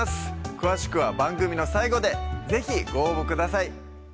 詳しくは番組の最後で是非ご応募ください